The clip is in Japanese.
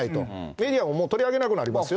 メディアがもう取り上げなくなりますよ。